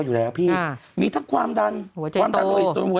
อยู่แล้วพี่อ่ามีทั้งความดันหัวใจตัว